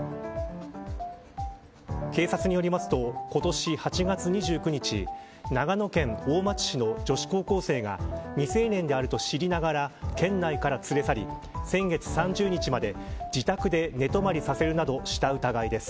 警察によりますと今年８月２９日長野県大町市の女子高校生が未成年であると知りながら県内から連れ去り先月３０日まで、自宅で寝泊まりさせるなどした疑いです。